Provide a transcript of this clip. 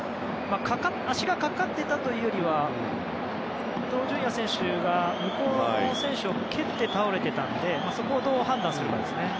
足がかかっていたというより伊東純也選手が向こうの選手を蹴って倒れていたのでそこをどう判断するかですね。